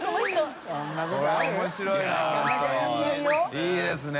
いいですね。